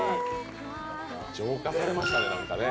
浄化されましたね、なんかね。